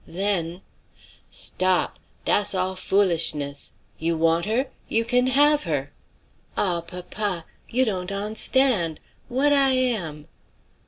Then "Stop! Dass all foolishness! You want her? You kin have her!" "Ah, papa! you dawn't awnstand! What I am?"